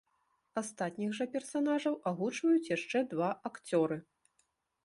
Астатніх жа персанажаў агучваюць яшчэ два акцёры.